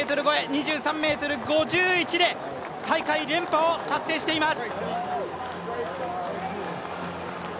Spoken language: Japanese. ２３ｍ５１で大会連覇を達成しています